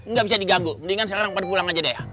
nggak bisa diganggu mendingan sekarang pada pulang aja deh